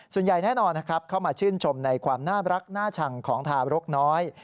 ส่วนใหญ่แน่นอนนะครับเข้ามาชื่นชมในความน่ารักน่าชังของทารกน้อย